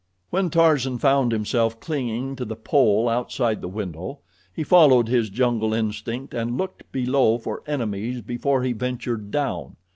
When Tarzan found himself clinging to the pole outside the window, he followed his jungle instinct and looked below for enemies before he ventured down.